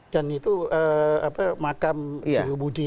dan itu makam budi